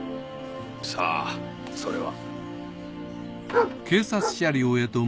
さぁそれは。